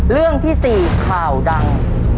เรื่องที่๔ข่าวดัง